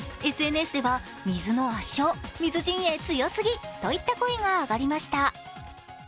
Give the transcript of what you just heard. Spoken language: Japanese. ＳＮＳでは水の圧勝、水陣営強すぎといった声が上がりました。